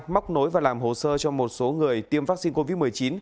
móc nối và làm hồ sơ cho một số người tiêm vaccine covid một mươi chín